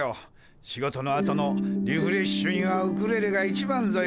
仕事のあとのリフレッシュにはウクレレが一番ぞよ。